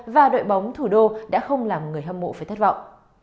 và đội bóng thủ đô đã không làm người hâm mộ phải thất vọng